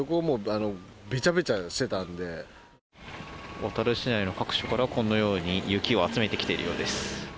小樽市内の各所からこのように雪を集めてきているようです。